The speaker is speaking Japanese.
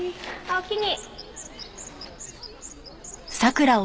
おおきに。